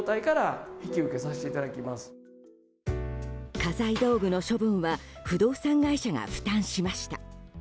家財道具の処分は不動産会社が負担しました。